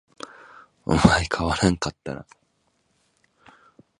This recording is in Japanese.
お前変わらんかったな